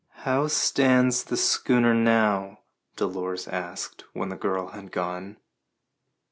"How stands the schooner now?" Dolores asked when the girl had gone.